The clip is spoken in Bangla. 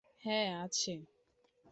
হ্যাঁ, আছে।